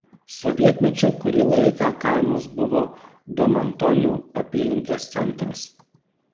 Sovietmečiu kurį laiką kaimas buvo Domantonių apylinkės centras.